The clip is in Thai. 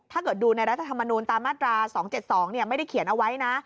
ถ้าเกิดดูในรัฐธรรมนูลตามมาตรา๒๗๒ไม่ได้เขียนเอาไว้นะ